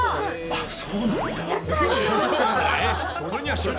あっ、そうなんだー。